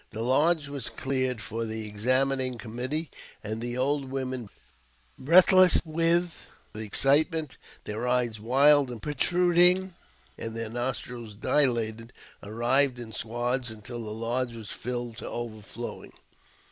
The lodge was cleared for the examining committee, and the old women, breathless with excitement, their eyes wild and pro truding, and their nostrils dilated, arrived in squads, until the lodge was filled to overflowing.